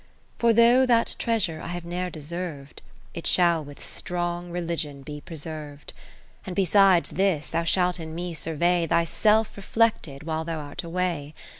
For though that treasure I have ne'er deserv'd, It shall with strong religion be preserv'd. And besides this thou shalt in me survey Thyself reflected while thou art away.